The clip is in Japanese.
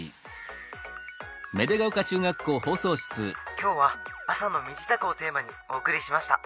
「今日は朝の身支度をテーマにお送りしました。